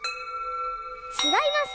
ちがいます！